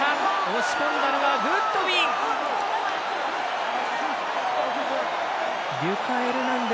押し込んだのはグッドウィン！